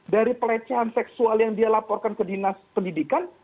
dari pelecehan seksual yang dia laporkan ke dinas pendidikan